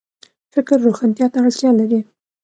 فکر روښانتیا ته اړتیا لري